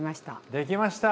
できました！